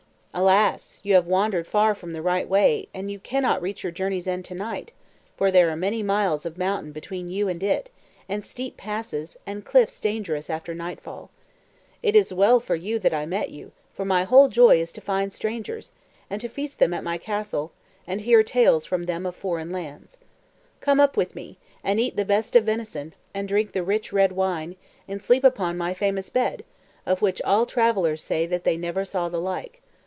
"Alas! you have wandered far from the right way, and you cannot reach your journey's end to night, for there are many miles of mountain between you and it, and steep passes, and cliffs dangerous after nightfall. It is well for you that I met you, for my whole joy is to find strangers, and to feast them at my castle, and hear tales from them of foreign lands. Come up with me, and eat the best of venison, and drink the rich red wine, and sleep upon my famous bed, of which all travellers say that they never saw the like.